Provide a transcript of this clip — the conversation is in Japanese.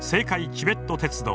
チベット鉄道。